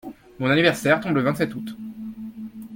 Mon anniversaire tombe le vingt-sept août.